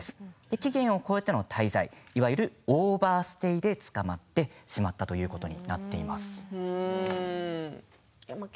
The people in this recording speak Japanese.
期限を超えての滞在いわゆるオーバーステイで捕まってしまったということなんですね。